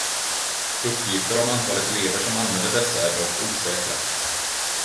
Uppgifter om antalet elever som använder dessa är dock osäkra.